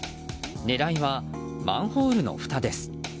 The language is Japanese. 狙いはマンホールのふたです。